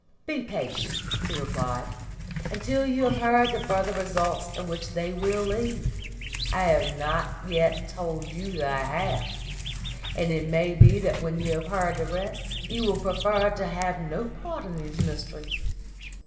"Be patient," he replied, "until you have heard the further results to which they will lead. I have not yet told you the half, and it may be that when you have heard the rest you will prefer to have no part in these Mysteries.